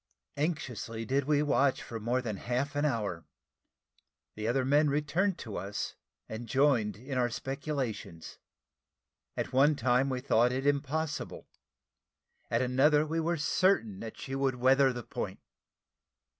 Anxiously did we watch for more than half an hour; the other men returned to us, and joined in our speculations. At one time we thought it impossible at another we were certain that she would weather the point.